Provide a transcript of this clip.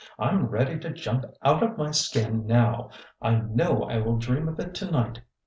" I 'm ready to jump out of my skin now! I know I will dream of it to night.